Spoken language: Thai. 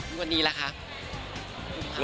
ส่วนวันนี้แหละคะ